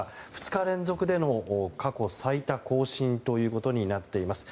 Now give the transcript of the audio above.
２日連続での過去最多更新となっています。